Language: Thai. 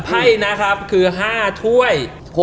ไพ่นะครับคือ๕ถ้วย